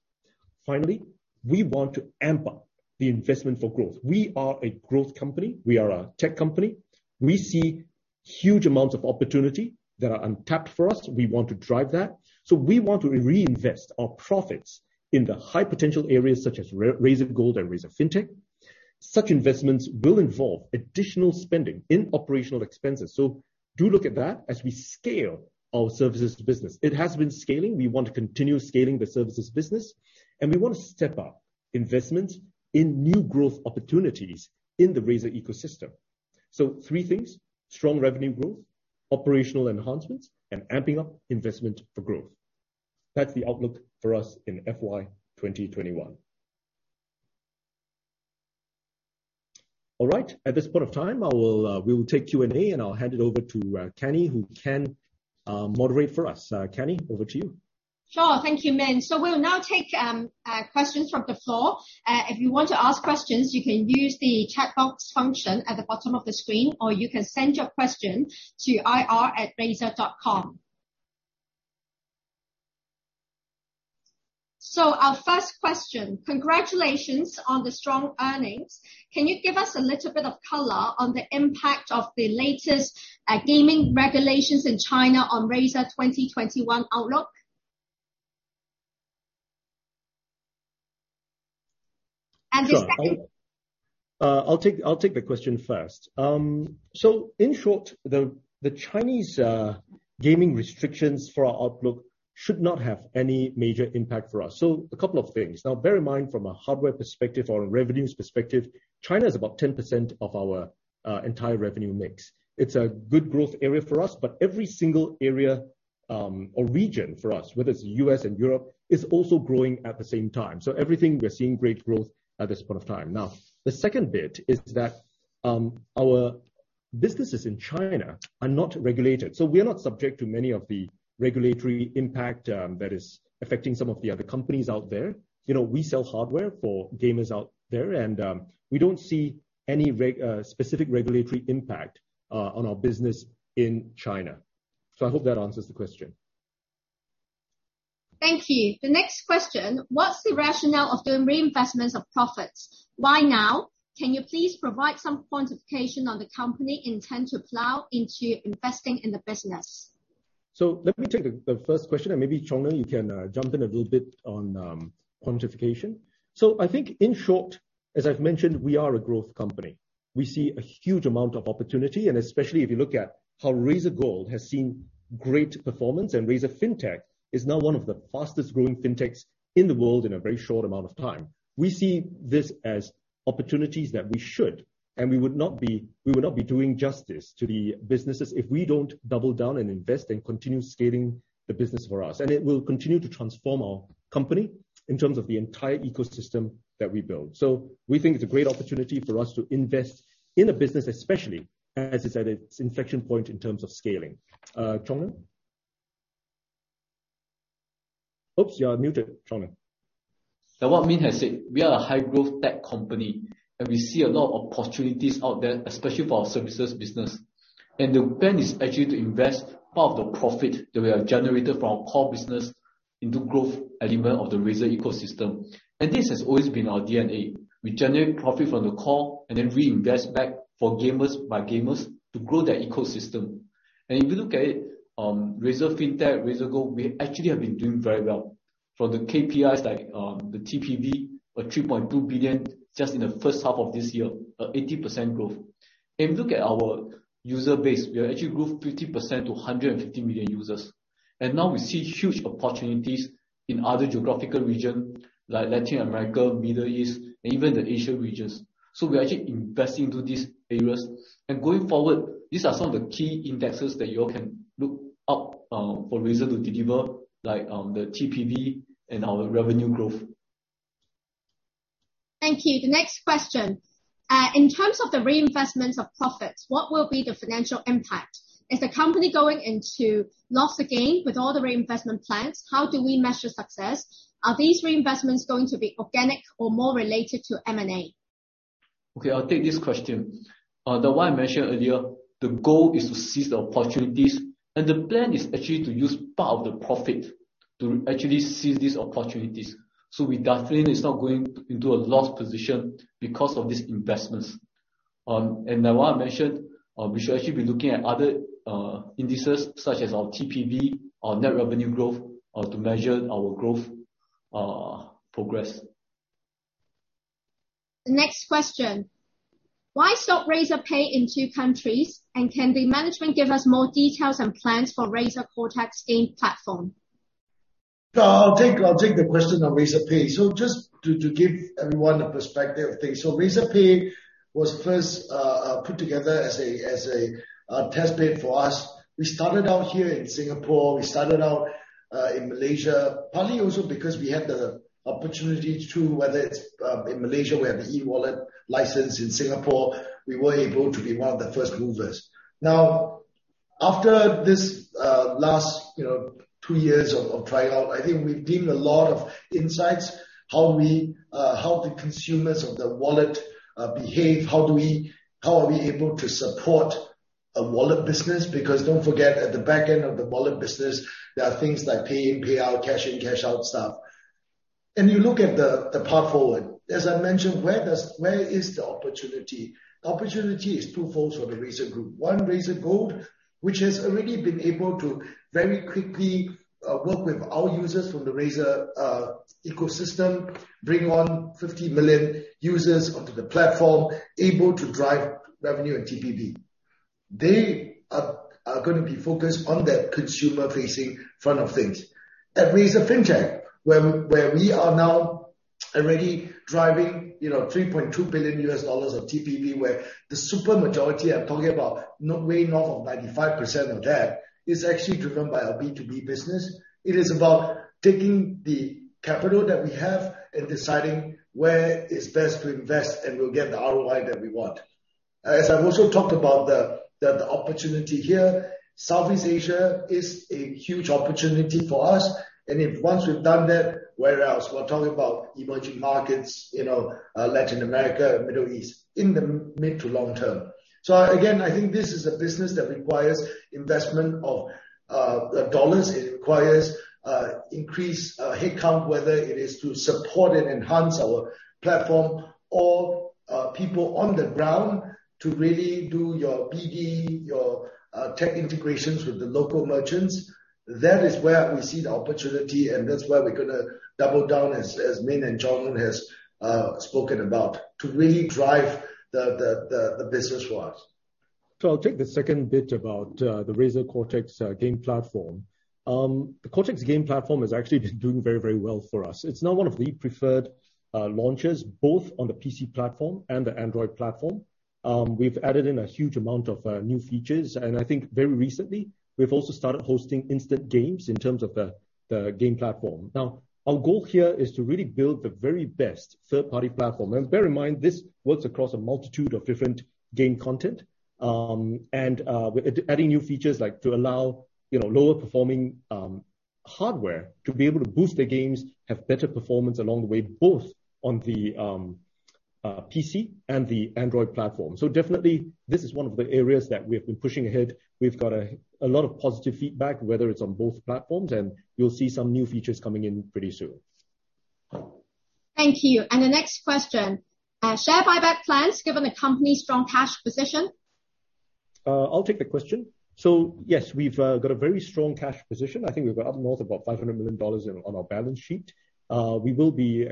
Finally, we want to amp up the investment for growth. We are a growth company. We are a tech company. We see huge amounts of opportunity that are untapped for us. We want to drive that. We want to reinvest our profits in the high potential areas such as Razer Gold and Razer Fintech. Such investments will involve additional spending in operational expenses. Do look at that as we scale our services business. It has been scaling. We want to continue scaling the services business, and we want to step up investment in new growth opportunities in the Razer ecosystem. Three things, strong revenue growth, operational enhancements, and amping up investment for growth. That's the outlook for us in FY 2021. All right. At this point of time, we will take Q&A, and I'll hand it over to Cannie, who can moderate for us. Cannie, over to you. Sure. Thank you, Min. We'll now take questions from the floor. If you want to ask questions, you can use the chat box function at the bottom of the screen, or you can send your question to ir@razer.com. Our first question. Congratulations on the strong earnings. Can you give us a little bit of color on the impact of the latest gaming regulations in China on Razer 2021 outlook? Sure. I'll take the question first. In short, the Chinese gaming restrictions for our outlook should not have any major impact for us. A couple of things. Bear in mind from a hardware perspective or a revenues perspective, China is about 10% of our entire revenue mix. It's a good growth area for us. Every single area or region for us, whether it's U.S. and Europe, is also growing at the same time. Everything we are seeing great growth at this point of time. The second bit is that our businesses in China are not regulated. We are not subject to many of the regulatory impact that is affecting some of the other companies out there. We sell hardware for gamers out there, and we don't see any specific regulatory impact on our business in China. I hope that answers the question. Thank you. The next question. What's the rationale of doing reinvestments of profits? Why now? Can you please provide some quantification on the company intent to plow into investing in the business? Let me take the first question, and maybe, Chong Neng, you can jump in a little bit on quantification. I think in short, as I've mentioned, we are a growth company. We see a huge amount of opportunity, and especially if you look at how Razer Gold has seen great performance and Razer Fintech is now one of the fastest-growing fintechs in the world in a very short amount of time. We see this as opportunities that we should, and we would not be doing justice to the businesses if we don't double down and invest and continue scaling the business for us. It will continue to transform our company in terms of the entire ecosystem that we build. We think it's a great opportunity for us to invest in a business, especially as it's at its inflection point in terms of scaling. Chong Neng? Oops, you are muted, Chong Neng. Now what Min has said, we are a high-growth tech company, and we see a lot of opportunities out there, especially for our services business. The plan is actually to invest part of the profit that we have generated from our core business into growth element of the Razer ecosystem. This has always been our DNA. We generate profit from the core and then reinvest back for gamers by gamers to grow their ecosystem. If you look at it, Razer Fintech, Razer Gold, we actually have been doing very well. From the KPIs like the TPV are $3.2 billion just in the first half of this year, an 18% growth. If you look at our user base, we have actually grown 50% to 150 million users. Now we see huge opportunities in other geographical region like Latin America, Middle East, and even the Asia regions. We are actually investing into these areas. Going forward, these are some of the key indexes that you all can look up for Razer to deliver, like the TPV and our revenue growth. Thank you. The next question. In terms of the reinvestments of profits, what will be the financial impact? Is the company going into loss again with all the reinvestment plans? How do we measure success? Are these reinvestments going to be organic or more related to M&A? Okay, I'll take this question. The one I mentioned earlier, the goal is to seize the opportunities, and the plan is actually to use part of the profit to actually seize these opportunities. With that plan, it's not going into a loss position because of these investments. The one I mentioned, we should actually be looking at other indices such as our TPV, our net revenue growth to measure our growth progress. The next question. Why stop Razer Pay in two countries? Can the management give us more details and plans for Razer Cortex game platform? I'll take the question on Razer Pay. Just to give everyone a perspective of things. Razer Pay was first put together as a test bed for us. We started out here in Singapore. We started out in Malaysia, partly also because we had the opportunity to, whether it's in Malaysia, we have the eWallet license in Singapore. We were able to be one of the first movers. After this last two years of trying out, I think we've gained a lot of insights how the consumers of the wallet behave, how are we able to support a wallet business, because don't forget at the back end of the wallet business, there are things like pay in, pay out, cash in, cash out stuff. You look at the path forward, as I mentioned, where is the opportunity? The opportunity is twofold for the Razer Group. One, Razer Gold, which has already been able to very quickly work with our users from the Razer ecosystem, bring on 50 million users onto the platform, able to drive revenue and TPV. They are going to be focused on that consumer-facing front of things. At Razer Fintech, where we are now already driving $3.2 billion of TPV, where the super majority I'm talking about, way north of 95% of that, is actually driven by our B2B business. It is about taking the capital that we have and deciding where it's best to invest, and we'll get the ROI that we want. As I've also talked about the opportunity here, Southeast Asia is a huge opportunity for us. If once we've done that, where else? We're talking about emerging markets, Latin America, Middle East, in the mid to long term. Again, I think this is a business that requires investment of dollars. It requires increased headcount, whether it is to support and enhance our platform or people on the ground to really do your BD, your tech integrations with the local merchants. That is where we see the opportunity, and that's where we're going to double down, as Min and Chong Neng have spoken about, to really drive the business for us. I'll take the second bit about the Razer Cortex game platform. The Cortex game platform is actually doing very well for us. It's now one of the preferred launchers, both on the PC platform and the Android platform. We've added in a huge amount of new features, and I think very recently, we've also started hosting instant games in terms of the game platform. Our goal here is to really build the very best third-party platform. Bear in mind, this works across a multitude of different game content. We're adding new features to allow lower-performing hardware to be able to boost their games, have better performance along the way, both on the PC and the Android platform. Definitely, this is one of the areas that we have been pushing ahead. We've got a lot of positive feedback, whether it's on both platforms. You'll see some new features coming in pretty soon. Thank you. The next question. Share buyback plans given the company's strong cash position? I'll take the question. Yes, we've got a very strong cash position. I think we've got up north of about $500 million on our balance sheet. We will be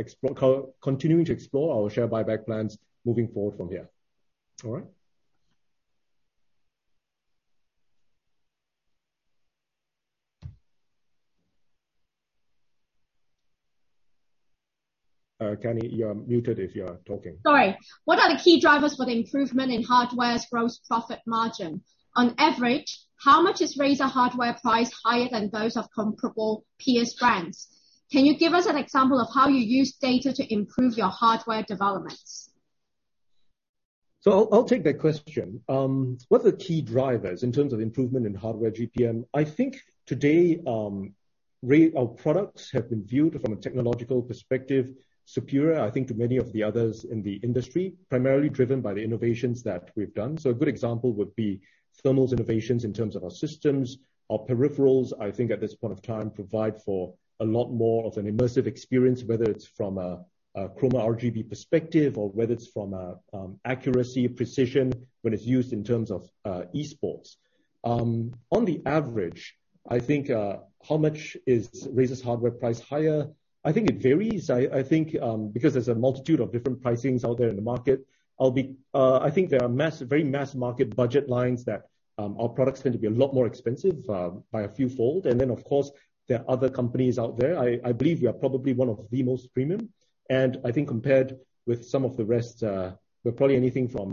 continuing to explore our share buyback plans moving forward from here. All right. Cannie, you're muted if you're talking. Sorry. What are the key drivers for the improvement in hardware's gross profit margin? On average, how much is Razer hardware price higher than those of comparable peers' brands? Can you give us an example of how you use data to improve your hardware developments? I'll take that question. What are the key drivers in terms of improvement in hardware GPM? I think today, our products have been viewed from a technological perspective, superior, I think, to many of the others in the industry, primarily driven by the innovations that we've done. A good example would be thermals innovations in terms of our systems, our peripherals, I think at this point of time, provide for a lot more of an immersive experience, whether it's from a Chroma RGB perspective or whether it's from accuracy, precision, when it's used in terms of esports. On the average, I think, how much is Razer's hardware price higher? I think it varies. I think because there's a multitude of different pricings out there in the market. I think there are very mass market budget lines that our products tend to be a lot more expensive by a fewfold. Then, of course, there are other companies out there. I believe we are probably one of the most premium. I think compared with some of the rest, we're probably anything from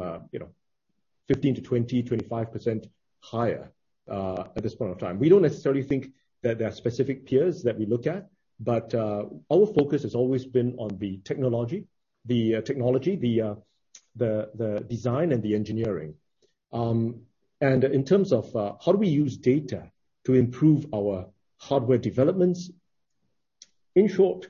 15%-20%, 25% higher at this point of time. We don't necessarily think that there are specific peers that we look at, but our focus has always been on the technology, the design, and the engineering. In terms of how do we use data to improve our hardware developments? In short,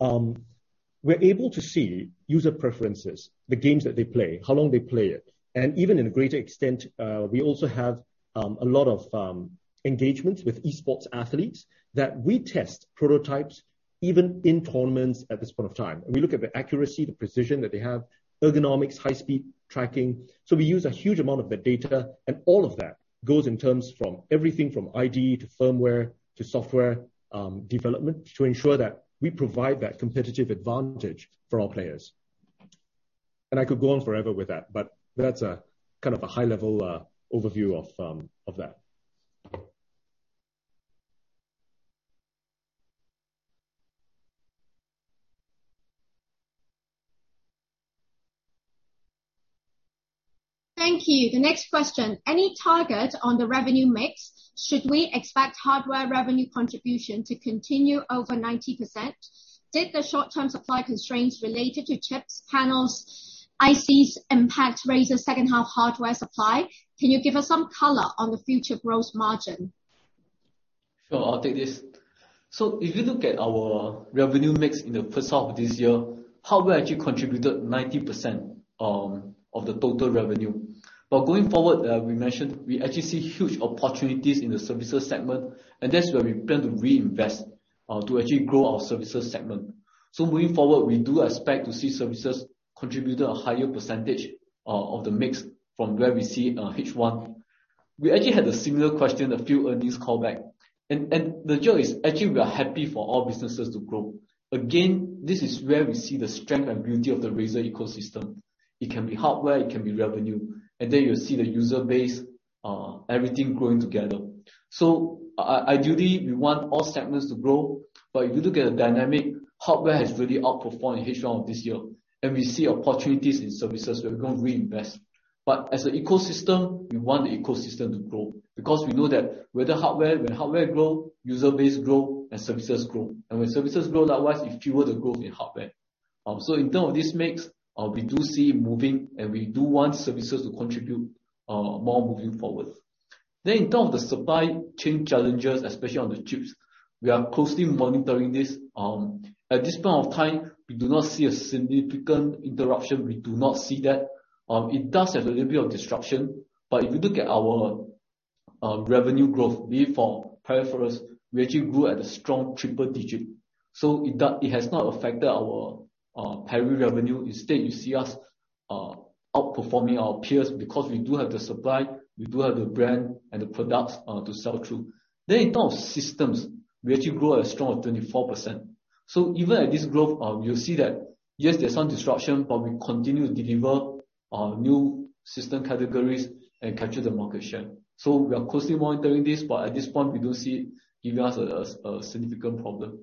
we're able to see user preferences, the games that they play, how long they play it. Even in a greater extent, we also have a lot of engagement with esports athletes that we test prototypes, even in tournaments at this point of time. We look at the accuracy, the precision that they have, ergonomics, high speed tracking. We use a huge amount of the data, and all of that goes in terms from everything from ID to firmware to software development to ensure that we provide that competitive advantage for our players. I could go on forever with that, but that's a high-level overview of that. Thank you. The next question. Any target on the revenue mix? Should we expect hardware revenue contribution to continue over 90%? Did the short-term supply constraints related to chips, panels, ICs impact Razer's second half hardware supply? Can you give us some color on the future growth margin? I'll take this. If you look at our revenue mix in the first half of this year, hardware actually contributed 90% of the total revenue. Going forward, we mentioned we actually see huge opportunities in the services segment, and that's where we plan to reinvest to actually grow our services segment. Moving forward, we do expect to see services contributing a higher percentage of the mix from where we see H1. We actually had a similar question a few earnings call back, and the joke is actually we are happy for all businesses to grow. Again, this is where we see the strength and beauty of the Razer ecosystem. It can be hardware, it can be revenue, and then you see the user base, everything growing together. Ideally, we want all segments to grow. If you look at the dynamic, hardware has really outperformed in H1 of this year, and we see opportunities in services where we're going to reinvest. As an ecosystem, we want the ecosystem to grow, because we know that when hardware grow, user base grow, and services grow. When services grow likewise, it fuel the growth in hardware. In terms of this mix, we do see it moving and we do want services to contribute more moving forward. In terms of the supply chain challenges, especially on the chips, we are closely monitoring this. At this point of time, we do not see a significant interruption. We do not see that. It does have a little bit of disruption, but if you look at our revenue growth, be it for peripherals, we actually grew at a strong triple digit. It has not affected our core revenue. Instead, you see us outperforming our peers because we do have the supply, we do have the brand, and the products to sell through. In terms of systems, we actually grew at a strong 24%. Even at this growth, you'll see that, yes, there's some disruption, but we continue to deliver new system categories and capture the market share. We are closely monitoring this, but at this point, we don't see it giving us a significant problem.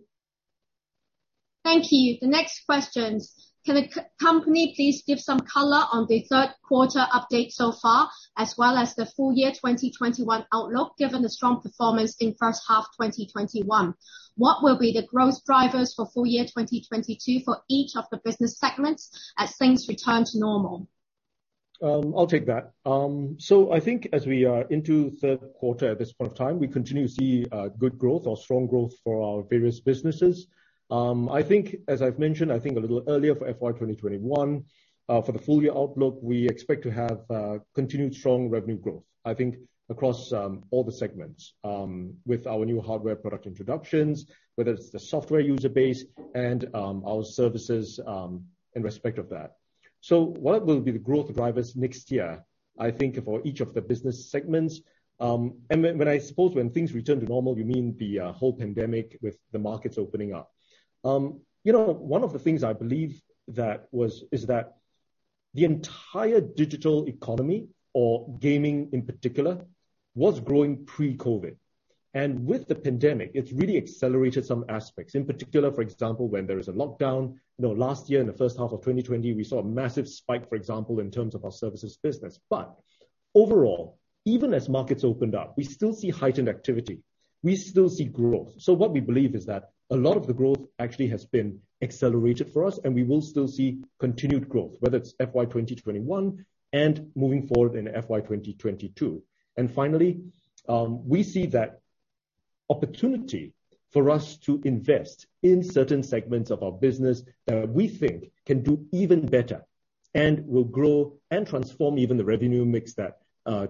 Thank you. The next question. Can the company please give some color on the third quarter update so far, as well as the full year 2021 outlook, given the strong performance in first half 2021? What will be the growth drivers for full year 2022 for each of the business segments as things return to normal? I'll take that. As we are into third quarter at this point of time, we continue to see good growth or strong growth for our various businesses. I think as I've mentioned, I think a little earlier for FY 2021, for the full year outlook, we expect to have continued strong revenue growth. I think across all the segments, with our new hardware product introductions, whether it's the software user base and our services in respect of that. What will be the growth drivers next year? I think for each of the business segments, and when I suppose when things return to normal, you mean the whole pandemic with the markets opening up. One of the things I believe is that the entire digital economy or gaming in particular was growing pre-COVID. With the pandemic, it's really accelerated some aspects. In particular, for example, when there is a lockdown, last year in the first half of 2020, we saw a massive spike, for example, in terms of our services business. Overall, even as markets opened up, we still see heightened activity. We still see growth. What we believe is that a lot of the growth actually has been accelerated for us, and we will still see continued growth, whether it's FY 2021 and moving forward in FY 2022. Finally, we see that opportunity for us to invest in certain segments of our business that we think can do even better and will grow and transform even the revenue mix that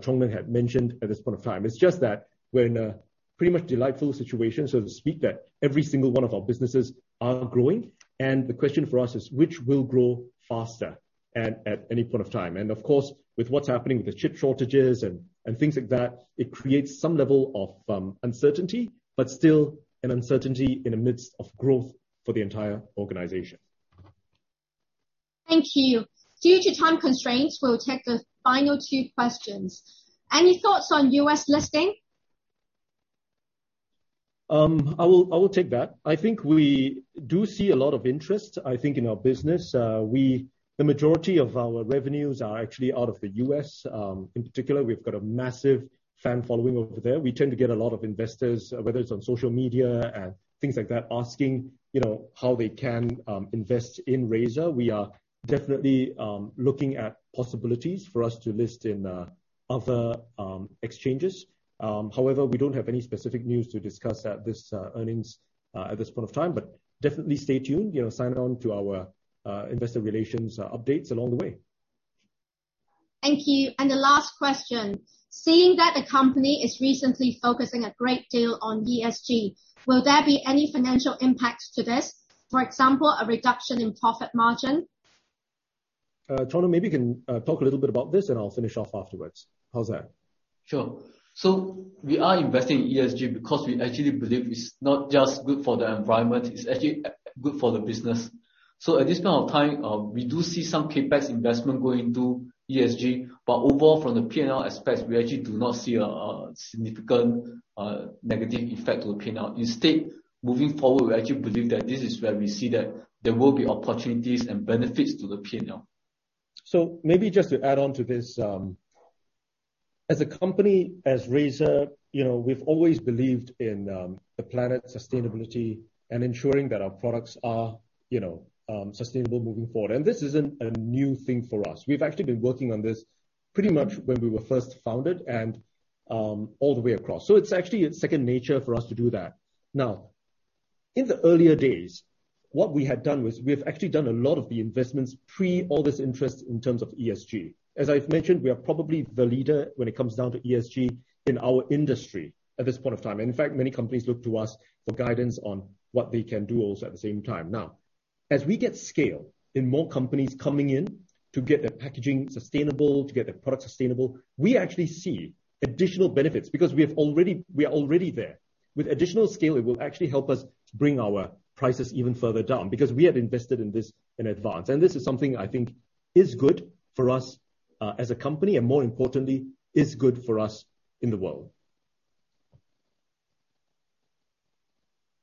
Chong Neng had mentioned at this point of time. It's just that we're in a pretty much delightful situation, so to speak, that every single one of our businesses are growing. The question for us is which will grow faster at any point of time. Of course, with what's happening with the chip shortages and things like that, it creates some level of uncertainty, but still an uncertainty in the midst of growth for the entire organization. Thank you. Due to time constraints, we'll take the final two questions. Any thoughts on U.S. listing? I will take that. I think we do see a lot of interest in our business. The majority of our revenues are actually out of the U.S. In particular, we've got a massive fan following over there. We tend to get a lot of investors, whether it's on social media and things like that, asking how they can invest in Razer. We are definitely looking at possibilities for us to list in other exchanges. We don't have any specific news to discuss at this earnings at this point of time. Definitely stay tuned, sign on to our investor relations updates along the way. Thank you. The last question. Seeing that the company is recently focusing a great deal on ESG, will there be any financial impacts to this? For example, a reduction in profit margin? Chong Neng, maybe you can talk a little bit about this and I'll finish off afterwards. How's that? Sure. We are investing in ESG because we actually believe it's not just good for the environment, it's actually good for the business. At this point of time, we do see some CapEx investment going into ESG. Overall, from the P&L aspect, we actually do not see a significant negative effect to the P&L. Instead, moving forward, we actually believe that this is where we see that there will be opportunities and benefits to the P&L. Maybe just to add on to this. As a company, as Razer, we've always believed in the planet sustainability and ensuring that our products are sustainable moving forward. This isn't a new thing for us. We've actually been working on this pretty much when we were first founded and all the way across. It's actually second nature for us to do that. Now, in the earlier days, what we had done was we've actually done a lot of the investments pre all this interest in terms of ESG. As I've mentioned, we are probably the leader when it comes down to ESG in our industry at this point of time. In fact, many companies look to us for guidance on what they can do also at the same time. Now, as we get scale in more companies coming in to get their packaging sustainable, to get their product sustainable, we actually see additional benefits because we are already there. With additional scale, it will actually help us bring our prices even further down because we have invested in this in advance. This is something I think is good for us as a company, and more importantly, is good for us in the world.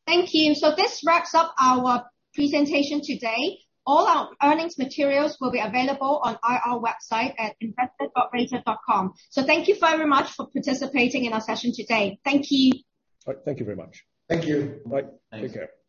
Thank you. This wraps up our presentation today. All our earnings materials will be available on our website at investor.razer.com. Thank you very much for participating in our session today. Thank you. All right. Thank you very much. Thank you. Bye. Take care.